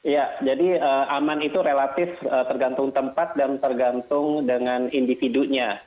ya jadi aman itu relatif tergantung tempat dan tergantung dengan individunya